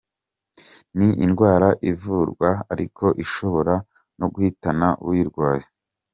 Ni indwara ivurwa ariko ishobora no guhitana uyirwaye.